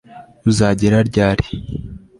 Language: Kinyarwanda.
Uzagera ryari